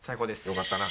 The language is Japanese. よかったな。